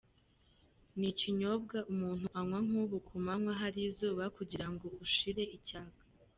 Ni ikinyobwa umuntu anywa nk’ubu kumanywa hari izuba kugira ngo ushire icyaka.